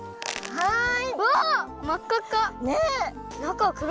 はい。